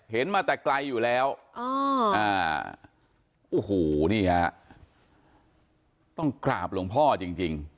เห็นมาแต่ไกลอยู่แล้วอ๋ออ่าโอ้โหนี่ฮะต้องกราบหลวงพ่อจริงจริง